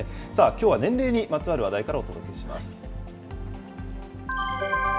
きょうは年齢にまつわる話題からお伝えします。